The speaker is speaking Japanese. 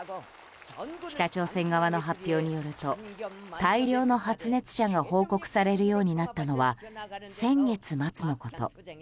北朝鮮側の発表によると大量の発熱者が報告されるようになったのは先月末のこと。